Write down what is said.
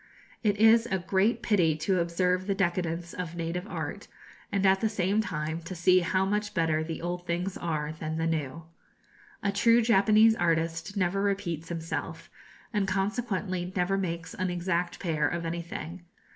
It is a great pity to observe the decadence of native art, and at the same time to see how much better the old things are than the new. A true Japanese artist never repeats himself, and consequently never makes an exact pair of anything.